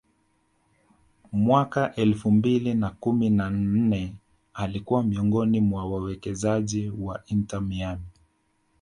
mwaka elfu mbili na kumi na nne alikuwa miongoni mwa wawekezaji wa Inter Miami